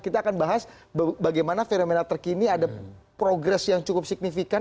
kita akan bahas bagaimana fenomena terkini ada progres yang cukup signifikan